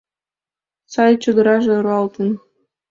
Сай чодыраже руалтын